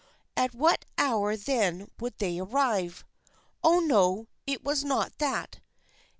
At what hour then would they arrive ? Oh, no, it was not that.